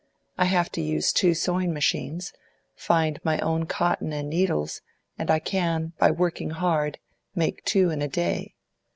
I have to use two sewing machines, find my own cotton and needles, and I can, by working hard, make two in a day.